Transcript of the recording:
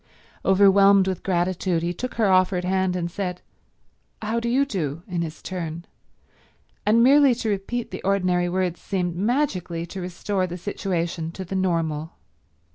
Overwhelmed with gratitude he took her offered hand and said "How do you do," in his turn, and merely to repeat the ordinary words seemed magically to restore the situation to the normal.